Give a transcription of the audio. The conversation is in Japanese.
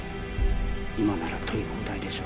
今なら取り放題でしょ？